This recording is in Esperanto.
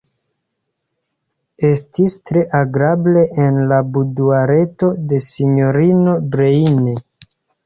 Estis tre agrable en la buduareto de sinjorino Breine.